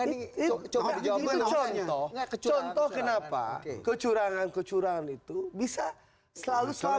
itu contoh kenapa kecurangan kecurangan itu bisa selalu selamat